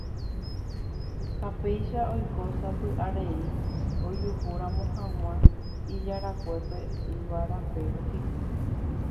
ha péicha oiko sapy'arei ojuhúramo g̃uarã ijarakuépe yvága rape rupi.